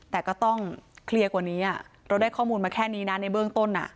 แต่ก็ต้องเคลียร์กว่านี้เราได้ข้อมูลมาแค่นี้นะในเบื้องต้น